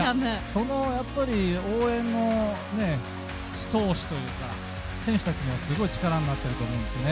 その応援の一押しというかすごい選手たちの力になってると思うんですね。